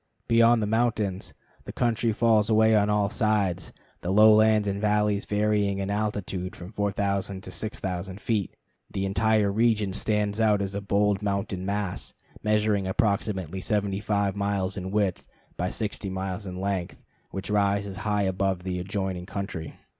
Beyond the mountains the country falls away on all sides, the lowlands and valleys varying in altitude from 4000 to 6000 feet. The entire region stands out as a bold mountain mass, measuring approximately 75 miles in width by 60 miles in length, which rises high above the adjoining country.